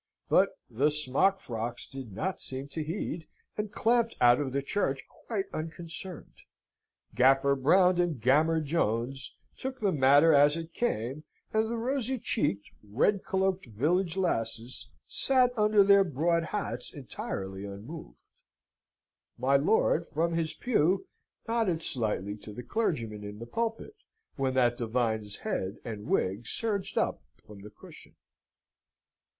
But the smockfrocks did not seem to heed, and clamped out of church quite unconcerned. Gaffer Brown and Gammer Jones took the matter as it came, and the rosy cheeked, red cloaked village lasses sate under their broad hats entirely unmoved. My lord, from his pew, nodded slightly to the clergyman in the pulpit, when that divine's head and wig surged up from the cushion.